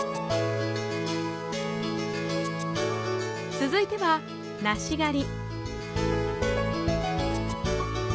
続いては、なし狩り。